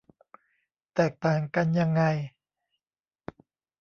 แตกต่างกันยังไง